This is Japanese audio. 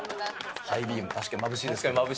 ハイビーム、確かにまぶしいですからね。